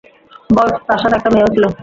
বস, তার সাথে একটা মেয়েও ছিল।